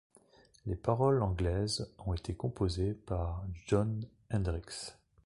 Les paroles anglaises ont été composées par Jon Hendricks.